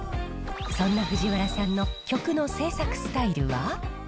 そんな藤原さんの曲の制作スタイルは。